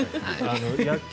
野球